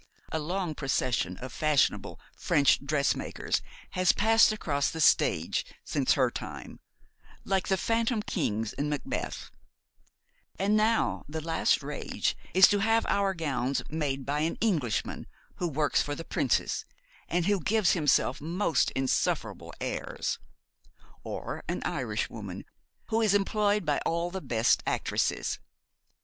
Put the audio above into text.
A long procession of fashionable French dressmakers has passed across the stage since her time, like the phantom kings in Macbeth; and now the last rage is to have our gowns made by an Englishman who works for the Princess, and who gives himself most insufferable airs, or an Irishwoman who is employed by all the best actresses.